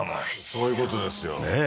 そういうことですよねえ